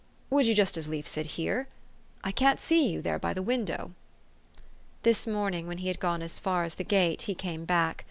"Would you just as lief sit here? " "I can't see you, there by the window." This morning, when he had gone as far as the THE STORY OF AVIS. 429 gate, he came back.